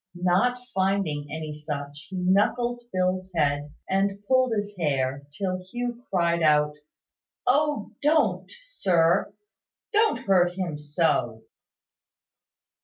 Not finding any such, he knuckled Phil's head, and pulled his hair, till Hugh cried out "O, don't, sir! Don't hurt him so!"